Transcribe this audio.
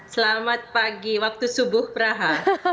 selamat pagi waktu subuh praha